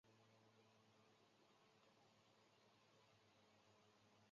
中国古人常常将人和天地及鬼神联系在一起。